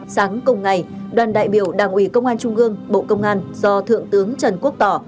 sáng cùng ngày đoàn đại biểu đảng ủy công an trung gương bộ công an do thượng tướng trần quốc tỏ